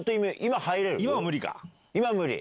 今無理？